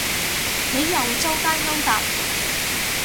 你又周街勾搭